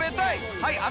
はい